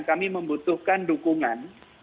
kami membutuhkan dukungan